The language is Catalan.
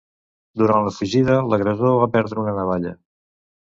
Durant la fugida, l’agressor va perdre una navalla.